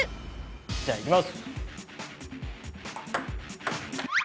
じゃあいきます。